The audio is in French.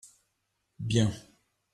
Bien.